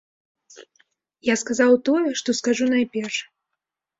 Я сказаў тое, што скажу найперш.